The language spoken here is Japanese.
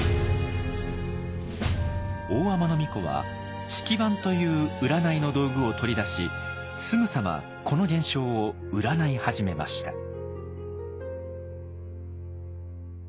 大海人皇子は「式盤」という占いの道具を取り出しすぐさまこの現象を占い始めました。